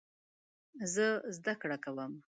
زه زده کړه کوم